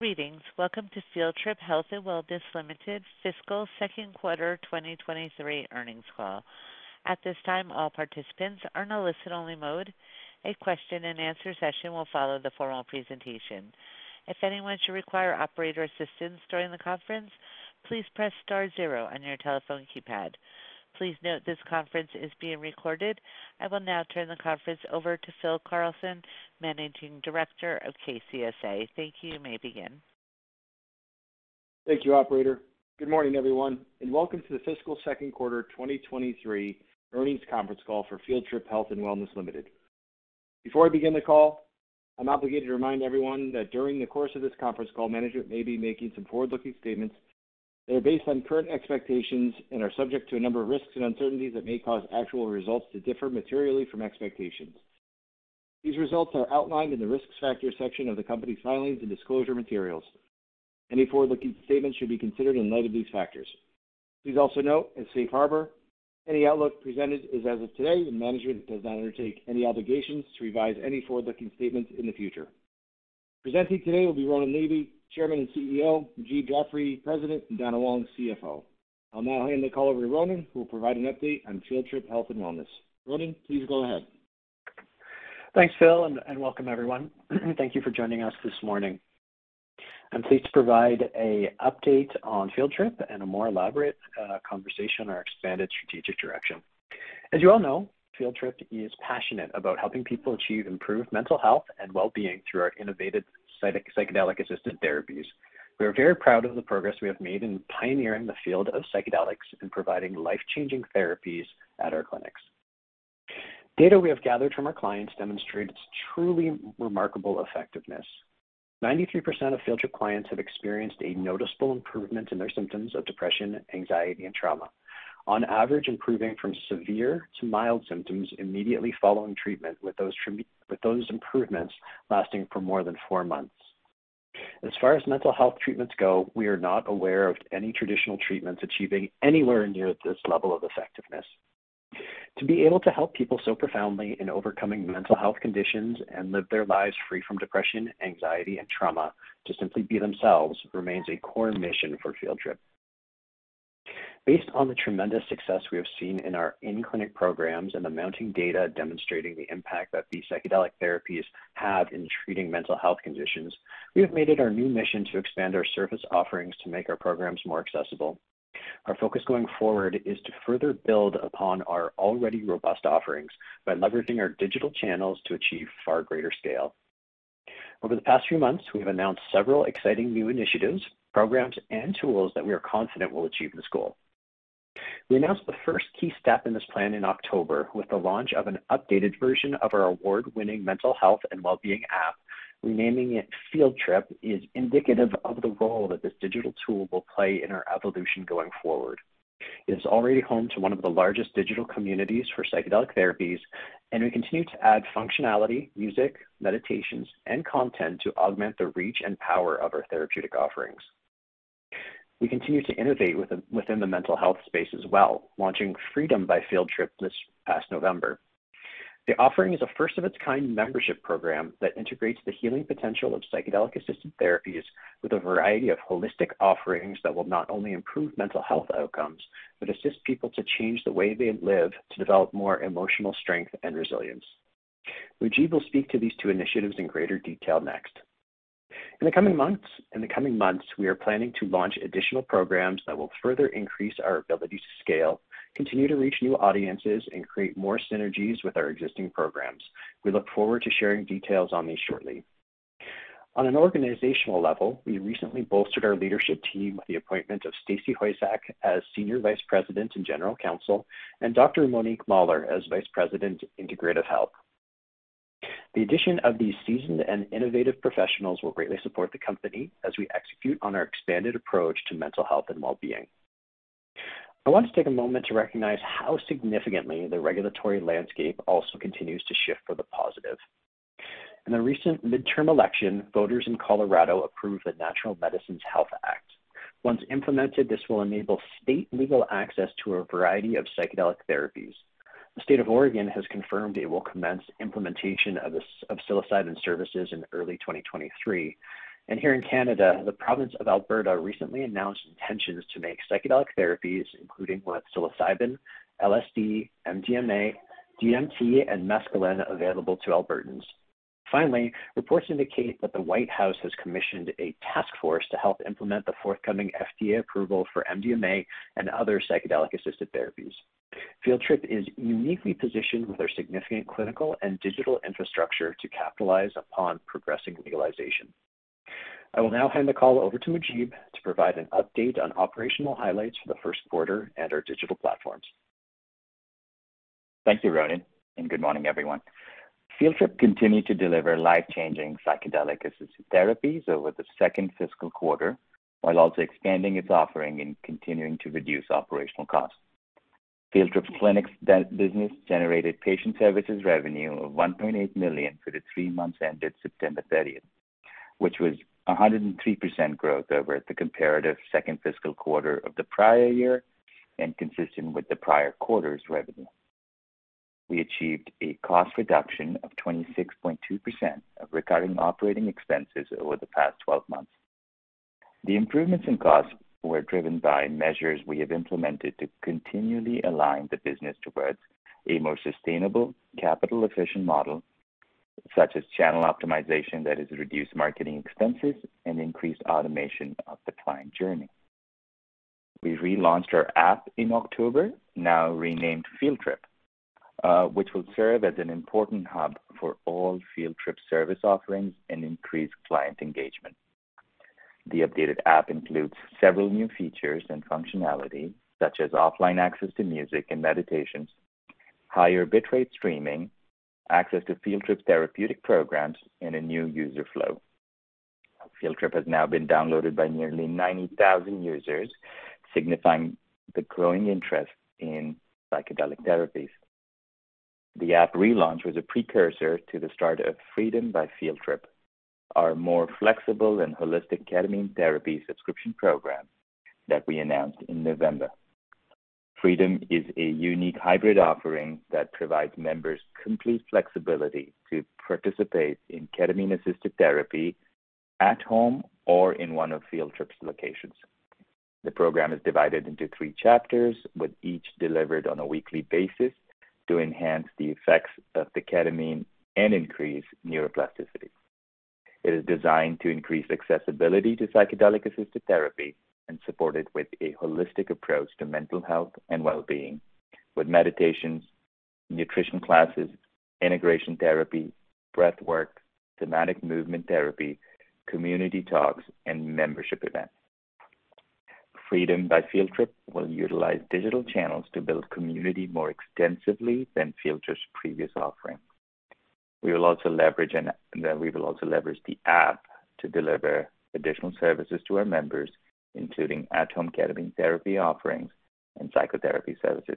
Greetings. Welcome to Field Trip Health & Wellness Ltd. Fiscal Q2 2023 earnings call. At this time, all participants are in a listen-only mode. A question-and-answer session will follow the formal presentation. If anyone should require operator assistance during the conference, please press star zero on your telephone keypad. Please note this conference is being recorded. I will now turn the conference over to Phil Carlson, Managing Director of KCSA. Thank you. You may begin. Thank you, operator. Good morning, everyone, and welcome to the fiscal Q2 2023 earnings conference call for Field Trip Health & Wellness Ltd. Before I begin the call, I'm obligated to remind everyone that during the course of this conference call, management may be making some forward-looking statements that are based on current expectations and are subject to a number of risks and uncertainties that may cause actual results to differ materially from expectations. These results are outlined in the Risk Factors section of the company's filings and disclosure materials. Any forward-looking statements should be considered in light of these factors. Please also note, as Safe Harbor, any outlook presented is as of today, and management does not undertake any obligations to revise any forward-looking statements in the future. Presenting today will be Ronan Levy, Chairman and CEO, Mujeeb Jafferi, President, and Donna Wong, CFO. I'll now hand the call over to Ronan, who will provide an update on Field Trip Health & Wellness. Ronan, please go ahead. Thanks, Phil, and welcome everyone. Thank you for joining us this morning. I'm pleased to provide a update on Field Trip and a more elaborate conversation on our expanded strategic direction. As you all know, Field Trip is passionate about helping people achieve improved mental health and well-being through our innovative psychedelic-assisted therapies. We are very proud of the progress we have made in pioneering the field of psychedelics and providing life-changing therapies at our clinics. Data we have gathered from our clients demonstrate its truly remarkable effectiveness. 93% of Field Trip clients have experienced a noticeable improvement in their symptoms of depression, anxiety, and trauma. On average, improving from severe to mild symptoms immediately following treatment with those improvements lasting for more than four months. As far as mental health treatments go, we are not aware of any traditional treatments achieving anywhere near this level of effectiveness. To be able to help people so profoundly in overcoming mental health conditions and live their lives free from depression, anxiety, and trauma to simply be themselves remains a core mission for Field Trip. Based on the tremendous success we have seen in our in-clinic programs and the mounting data demonstrating the impact that these psychedelic therapies have in treating mental health conditions, we have made it our new mission to expand our service offerings to make our programs more accessible. Our focus going forward is to further build upon our already robust offerings by leveraging our digital channels to achieve far greater scale. Over the past few months, we have announced several exciting new initiatives, programs, and tools that we are confident will achieve this goal. We announced the first key step in this plan in October with the launch of an updated version of our award-winning mental health and well-being app. Renaming it Field Trip is indicative of the role that this digital tool will play in our evolution going forward. It is already home to one of the largest digital communities for psychedelic therapies. We continue to add functionality, music, meditations, and content to augment the reach and power of our therapeutic offerings. We continue to innovate within the mental health space as well, launching Freedom by Field Trip this past November. The offering is a first-of-its-kind membership program that integrates the healing potential of psychedelic-assisted therapies with a variety of holistic offerings that will not only improve mental health outcomes but assist people to change the way they live to develop more emotional strength and resilience. Mujeeb will speak to these two initiatives in greater detail next. In the coming months, we are planning to launch additional programs that will further increase our ability to scale, continue to reach new audiences, and create more synergies with our existing programs. We look forward to sharing details on these shortly. On an organizational level, we recently bolstered our leadership team with the appointment of Stacey Hoisak as Senior Vice President and General Counsel, and Dr. Monique Moller as Vice President of Integrative Health. The addition of these seasoned and innovative professionals will greatly support the company as we execute on our expanded approach to mental health and well-being. I want to take a moment to recognize how significantly the regulatory landscape also continues to shift for the positive. In the recent midterm election, voters in Colorado approved the Natural Medicine Health Act. Once implemented, this will enable state legal access to a variety of psychedelic therapies. The state of Oregon has confirmed it will commence implementation of psilocybin services in early 2023. Here in Canada, the province of Alberta recently announced intentions to make psychedelic therapies, including one with psilocybin, LSD, MDMA, DMT, and mescaline available to Albertans. Finally, reports indicate that the White House has commissioned a task force to help implement the forthcoming FDA approval for MDMA and other psychedelic-assisted therapies. Field Trip is uniquely positioned with our significant clinical and digital infrastructure to capitalize upon progressing legalization. I will now hand the call over to Mujeeb to provide an update on operational highlights for the Q1 at our digital platforms. Thank you, Ronan. Good morning, everyone. Field Trip continued to deliver life-changing psychedelic-assisted therapies over the second fiscal quarter, while also expanding its offering and continuing to reduce operational costs. Field Trip's clinics business generated patient services revenue of 1.8 million for the three months ended September 30th, which was 103% growth over the comparative second fiscal quarter of the prior year and consistent with the prior quarter's revenue. We achieved a cost reduction of 26.2% of recurring operating expenses over the past 12 months. The improvements in costs were driven by measures we have implemented to continually align the business towards a more sustainable capital efficient model, such as channel optimization that has reduced marketing expenses and increased automation of the client journey. We relaunched our app in October, now renamed Field Trip, which will serve as an important hub for all Field Trip service offerings and increase client engagement. The updated app includes several new features and functionality such as offline access to music and meditations, higher bitrate streaming, access to Field Trip therapeutic programs, and a new user flow. Field Trip has now been downloaded by nearly 90,000 users, signifying the growing interest in psychedelic therapies. The app relaunch was a precursor to the start of Freedom by Field Trip, our more flexible and holistic ketamine therapy subscription program that we announced in November. Freedom is a unique hybrid offering that provides members complete flexibility to participate in ketamine-assisted therapy at home or in one of Field Trip's locations. The program is divided into three chapters, with each delivered on a weekly basis to enhance the effects of the ketamine and increase neuroplasticity. It is designed to increase accessibility to psychedelic-assisted therapy and support it with a holistic approach to mental health and well-being, with meditations, nutrition classes, integration therapy, breathwork, somatic movement therapy, community talks, and membership events. Freedom by Field Trip will utilize digital channels to build community more extensively than Field Trip's previous offering. We will also leverage an... We will also leverage the app to deliver additional services to our members, including at-home ketamine therapy offerings and psychotherapy services.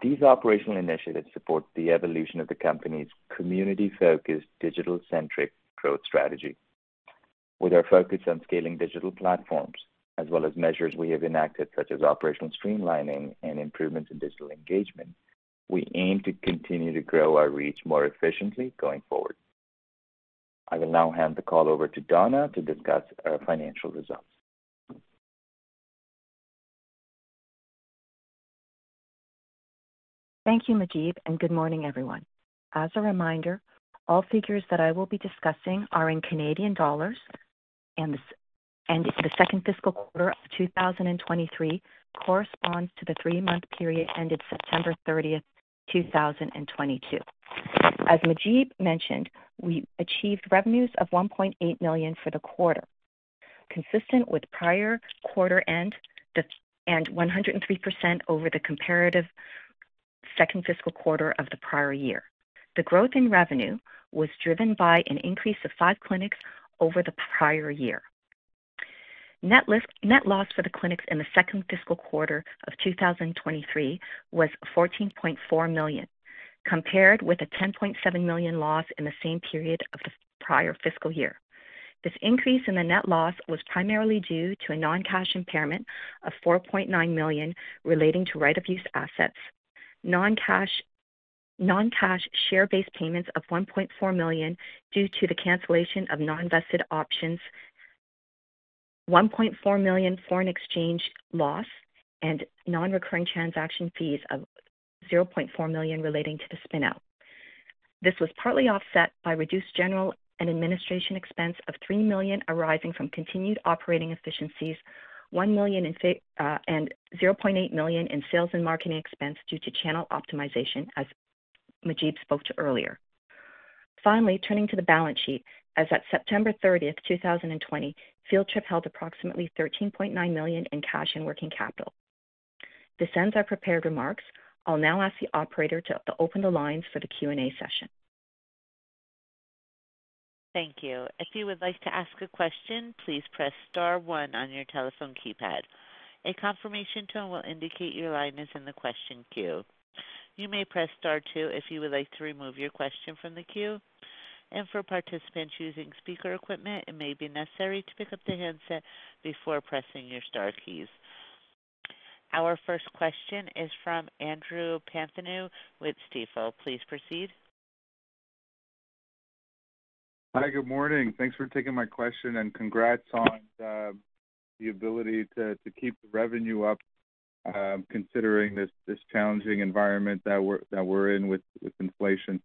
These operational initiatives support the evolution of the company's community-focused, digital-centric growth strategy. With our focus on scaling digital platforms, as well as measures we have enacted such as operational streamlining and improvements in digital engagement, we aim to continue to grow our reach more efficiently going forward. I will now hand the call over to Donna to discuss our financial results. Thank you, Mujeeb, and good morning, everyone. As a reminder, all figures that I will be discussing are in Canadian dollars, and the second fiscal quarter of 2023 corresponds to the three-month period ended September 30, 2022. As Mujeeb mentioned, we achieved revenues of 1.8 million for the quarter, consistent with prior quarter end and 103% over the comparative second fiscal quarter of the prior year. The growth in revenue was driven by an increase of five clinics over the prior year. Net loss for the clinics in the second fiscal quarter of 2023 was 14.4 million, compared with a 10.7 million loss in the same period of the prior fiscal year. This increase in the net loss was primarily due to a non-cash impairment of 4.9 million relating to right-of-use assets. Non-cash share-based payments of 1.4 million due to the cancellation of non-vested options. 1.4 million foreign exchange loss and non-recurring transaction fees of 0.4 million relating to the spin-out. This was partly offset by reduced general and administration expense of 3.0 million arising from continued operating efficiencies, 1.0 Million and 0.8 million in sales and marketing expense due to channel optimization as Mujeeb spoke to earlier. Finally, turning to the balance sheet, as at September 30th, 2020, Field Trip held approximately 13.9 million in cash and working capital. This ends our prepared remarks. I'll now ask the operator to open the lines for the Q&A session. Thank you. If you would like to ask a question, please press star one on your telephone keypad. A confirmation tone will indicate your line is in the question queue. You may press Star two if you would like to remove your question from the queue. For participants using speaker equipment, it may be necessary to pick up the handset before pressing your star keys. Our first question is from Andrew Partheniou with Stifel. Please proceed. Hi, good morning. Thanks for taking my question. Congrats on the ability to keep the revenue up, considering this challenging environment that we're in with inflation.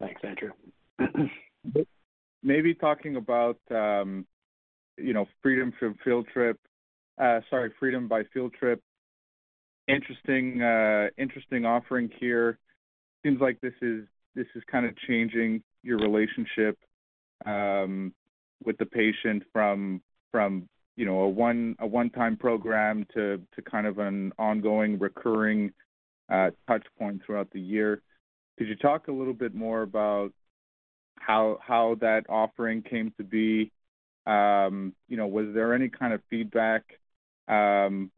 Thanks, Andrew. Maybe talking about, you know, Freedom by Field Trip, sorry, Freedom by Field Trip. Interesting, interesting offering here. Seems like this is kind of changing your relationship with the patient from, you know, a one-time program to kind of an ongoing recurring touchpoint throughout the year. Could you talk a little bit more about how that offering came to be? You know, was there any kind of feedback from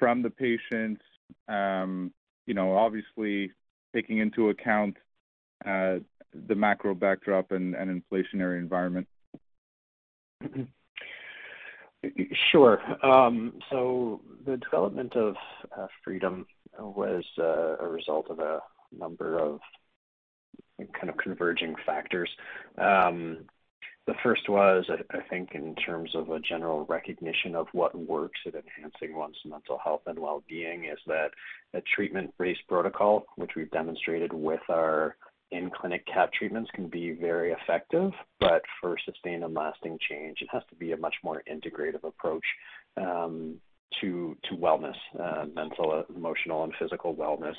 the patients? You know, obviously taking into account the macro backdrop and inflationary environment. Sure. The development of Freedom was a result of a number of kind of converging factors. The first was, I think in terms of a general recognition of what works at enhancing one's mental health and wellbeing is that a treatment-based protocol, which we've demonstrated with our in-clinic KAP treatments, can be very effective. For sustained and lasting change, it has to be a much more integrative approach to wellness, mental, emotional, and physical wellness.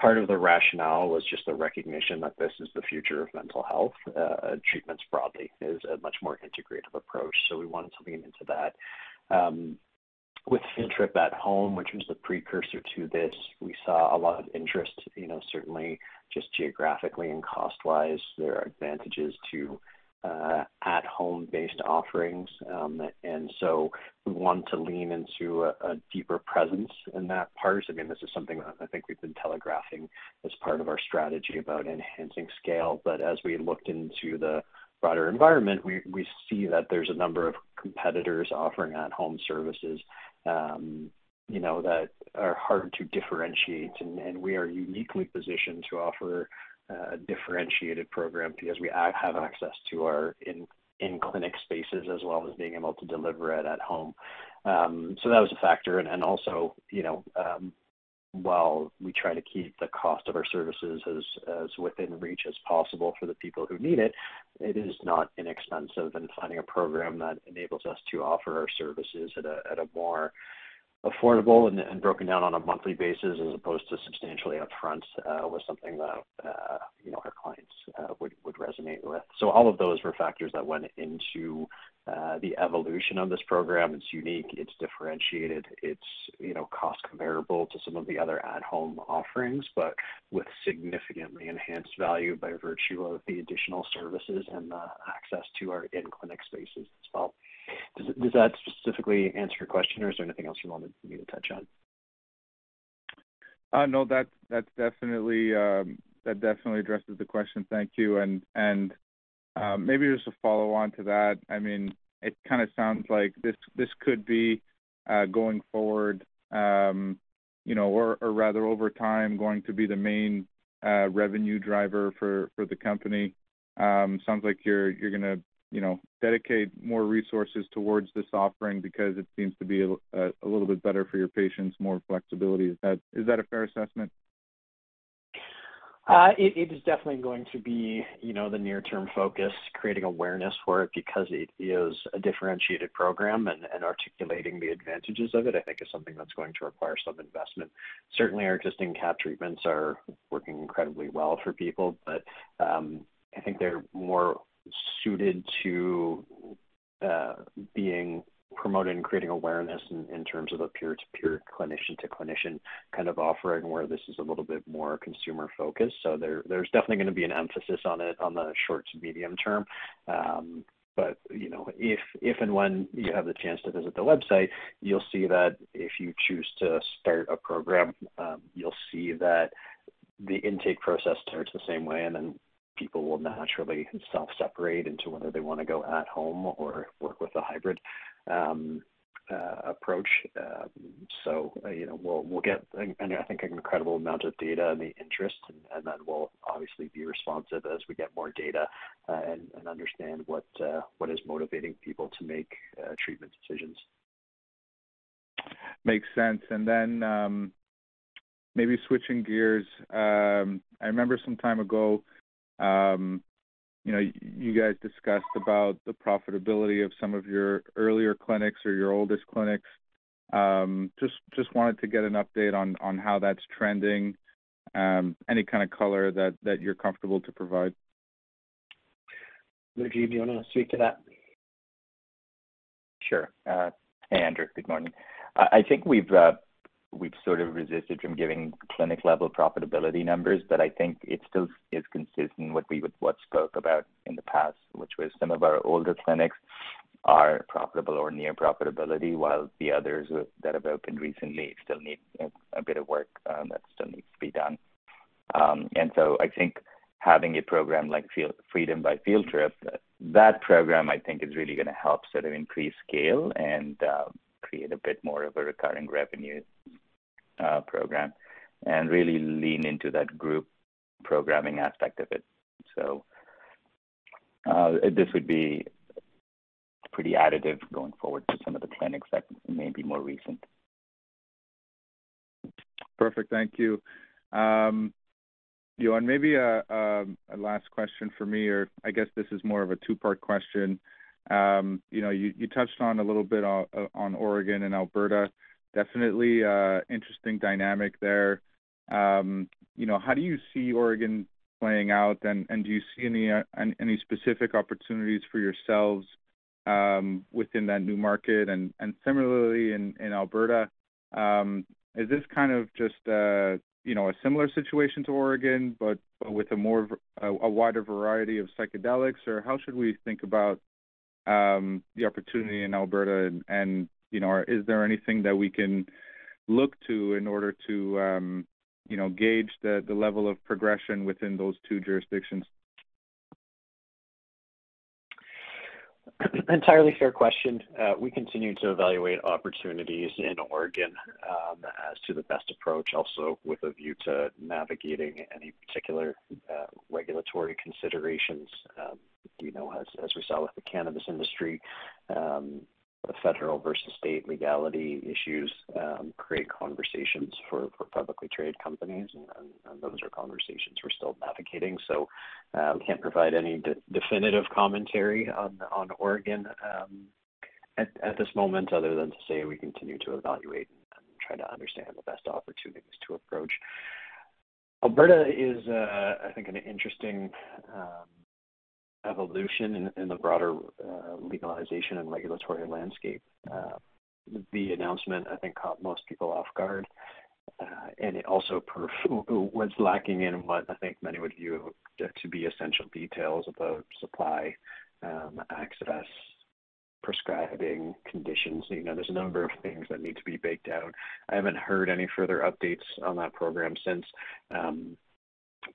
Part of the rationale was just the recognition that this is the future of mental health treatments broadly, is a much more integrative approach. We wanted to lean into that. With Field Trip at Home, which was the precursor to this, we saw a lot of interest, you know, certainly just geographically and cost-wise, there are advantages to at home-based offerings. We want to lean into a deeper presence in that part. I mean, this is something that I think we've been telegraphing as part of our strategy about enhancing scale. As we looked into the broader environment, we see that there's a number of competitors offering at-home services, you know, that are hard to differentiate. We are uniquely positioned to offer a differentiated program because we have access to our in-clinic spaces as well as being able to deliver it at home. That was a factor. Also, you know, while we try to keep the cost of our services as within reach as possible for the people who need it is not inexpensive. Finding a program that enables us to offer our services at a more affordable and broken down on a monthly basis as opposed to substantially upfront, was something that, you know, our clients would resonate with. All of those were factors that went into the evolution of this program. It's unique, it's differentiated, it's, you know, cost comparable to some of the other at-home offerings, but with significantly enhanced value by virtue of the additional services and the access to our in-clinic spaces as well. Does that specifically answer your question, or is there anything else you wanted me to touch on? No. That definitely addresses the question. Thank you. Maybe just a follow on to that. I mean, it kind of sounds like this could be going forward, you know, or rather over time going to be the main revenue driver for the company. Sounds like you're gonna, you know, dedicate more resources towards this offering because it seems to be a little bit better for your patients, more flexibility. Is that a fair assessment? It is definitely going to be, you know, the near term focus, creating awareness for it because it is a differentiated program. Articulating the advantages of it, I think is something that's going to require some investment. Certainly, our existing KAP treatments are working incredibly well for people, but I think they're more suited to being promoted and creating awareness in terms of a peer-to-peer, clinician-to-clinician kind of offering, where this is a little bit more consumer focused. There's definitely going to be an emphasis on it on the short to medium term. You know, if and when you have the chance to visit the website, you'll see that if you choose to start a program, you'll see that the intake process starts the same way, and then people will naturally self-separate into whether they want to go at home or work with a hybrid approach. You know, we'll get I think an incredible amount of data and the interest, and then we'll obviously be responsive as we get more data and understand what is motivating people to make treatment decisions. Makes sense. Maybe switching gears. I remember some time ago, you know, you guys discussed about the profitability of some of your earlier clinics or your oldest clinics. Just wanted to get an update on how that's trending. Any kind of color that you're comfortable to provide. Mujeeb, do you wanna speak to that? Sure. Hey, Andrew. Good morning. I think we've sort of resisted from giving clinic-level profitability numbers, but I think it still is consistent with what spoke about in the past, which was some of our older clinics are profitable or near profitability, while the others that have opened recently still need a bit of work that still needs to be done. I think having a program like Freedom by Field Trip, that program I think is really gonna help sort of increase scale and create a bit more of a recurring revenue program, and really lean into that group programming aspect of it. This would be pretty additive going forward to some of the clinics that may be more recent. Perfect. Thank you. Johan, maybe a last question for me, or I guess this is more of a two-part question. You know, you touched on a little bit on Oregon and Alberta. Definitely a interesting dynamic there. You know, how do you see Oregon playing out, and do you see any specific opportunities for yourselves within that new market? And similarly in Alberta, is this kind of just a, you know, a similar situation to Oregon, but with a wider variety of psychedelics? How should we think about the opportunity in Alberta? You know, is there anything that we can look to in order to, you know, gauge the level of progression within those two jurisdictions? Entirely fair question. We continue to evaluate opportunities in Oregon as to the best approach, also with a view to navigating any particular regulatory considerations. You know, as we saw with the cannabis industry, the federal versus state legality issues create conversations for publicly traded companies and those are conversations we're still navigating. We can't provide any definitive commentary on Oregon at this moment other than to say we continue to evaluate and try to understand the best opportunities to approach. Alberta is I think an interesting evolution in the broader legalization and regulatory landscape. The announcement I think caught most people off guard, and it also was lacking in what I think many would view to be essential details about supply, access, prescribing conditions. You know, there's a number of things that need to be baked out. I haven't heard any further updates on that program since.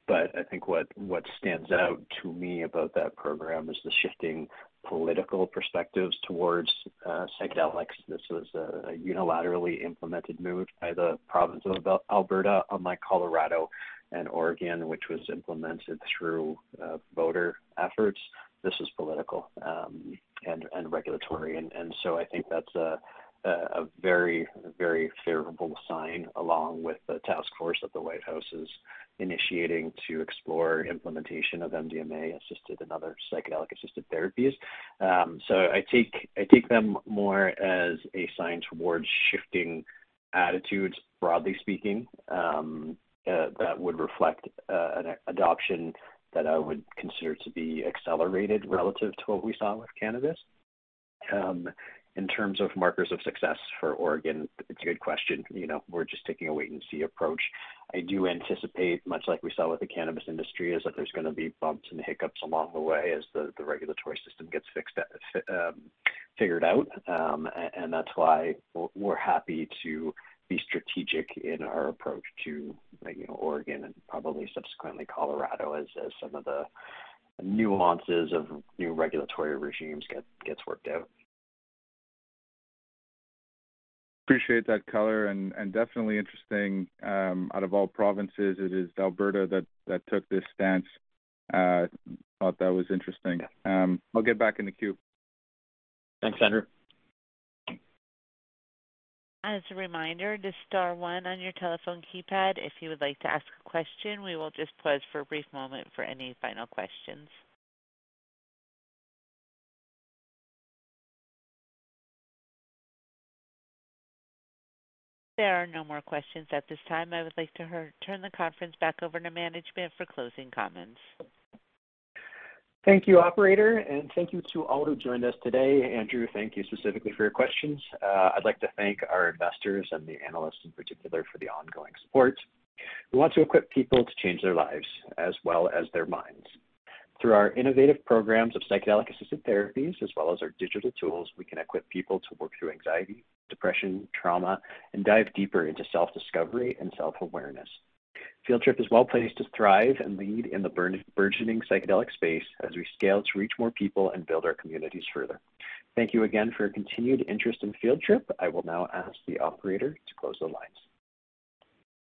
I think what stands out to me about that program is the shifting political perspectives towards psychedelics. This was a unilaterally implemented move by the province of Alberta, unlike Colorado and Oregon, which was implemented through voter efforts. This was political and regulatory. I think that's a very favorable sign along with the task force that the White House is initiating to explore implementation of MDMA-assisted and other psychedelic-assisted therapies. I take them more as a sign towards shifting attitudes, broadly speaking, that would reflect an adoption that I would consider to be accelerated relative to what we saw with cannabis. In terms of markers of success for Oregon, it's a good question. You know, we're just taking a wait and see approach. I do anticipate, much like we saw with the cannabis industry, is that there's gonna be bumps and hiccups along the way as the regulatory system gets figured out. That's why we're happy to be strategic in our approach to, you know, Oregon and probably subsequently Colorado as some of the nuances of new regulatory regimes gets worked out. Appreciate that color and definitely interesting, out of all provinces, it is Alberta that took this stance. Thought that was interesting. Yeah. I'll get back in the queue. Thanks, Andrew. As a reminder to star one on your telephone keypad, if you would like to ask a question. We will just pause for a brief moment for any final questions. There are no more questions at this time. I would like to turn the conference back over to management for closing comments. Thank you, operator. Thank you to all who joined us today. Andrew, thank you specifically for your questions. I'd like to thank our investors and the analysts in particular for the ongoing support. We want to equip people to change their lives as well as their minds. Through our innovative programs of psychedelic-assisted therapies as well as our digital tools, we can equip people to work through anxiety, depression, trauma, and dive deeper into self-discovery and self-awareness. Field Trip is well-placed to thrive and lead in the burgeoning psychedelic space as we scale to reach more people and build our communities further. Thank you again for your continued interest in Field Trip. I will now ask the operator to close the lines.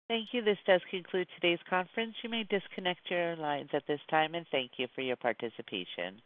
Thank you. This does conclude today's conference. You may disconnect your lines at this time, and thank you for your participation.